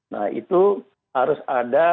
nah itu harus ada